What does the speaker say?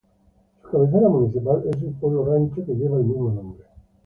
Su cabecera municipal es el pueblo rancho que lleva el mismo nombre.